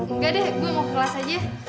enggak deh gue mau kelas aja